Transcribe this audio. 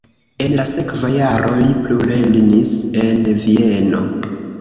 En la sekva jaro li plulernis en Vieno.